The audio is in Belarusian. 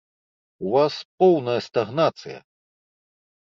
У вас поўная стагнацыя!